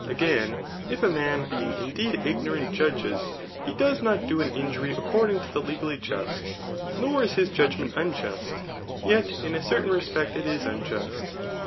Agfun, if a man beipg indeed ignorant judges, he does not do an injury according to the legally just, nor is his judgment «njust, yet in a certain respect it is unjust.